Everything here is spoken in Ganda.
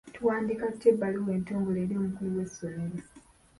Tuwandiika tutya ebbaluwa entongole eri omukulu w'essomero?